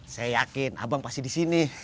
saya yakin abang pasti di sini